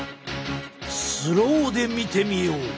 スローで見てみよう。